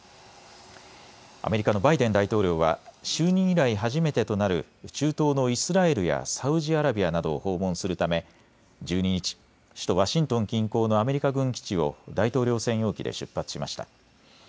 アメリカのバイデン大統領は就任以来初めてとなる中東のイスラエルやサウジアラビアなどを訪問するため１２日、首都ワシントン近郊のアメリカ軍基地を大統領専用機で出発しました。